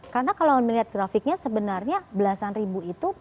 karena kalau melihat grafiknya sebenarnya belasan ribu itu